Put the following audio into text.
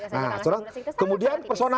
nah kemudian personal